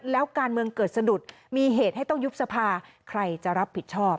แล้วการเมืองเกิดสะดุดมีเหตุให้ต้องยุบสภาใครจะรับผิดชอบ